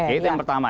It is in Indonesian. itu yang pertama